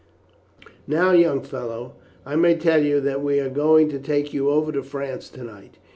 "Now, young fellow, I may tell you that we are going to take you over to France to night.